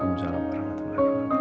waalaikumsalam warahmatullahi wabarakatuh